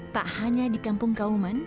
tak hanya di kampung kauman